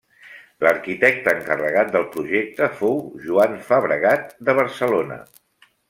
L’arquitecte encarregat del projecte fou Joan Fabregat de Barcelona.